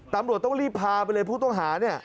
ตำรวจต้องรีบพาไปเลยผู้ต้องหาเนี่ย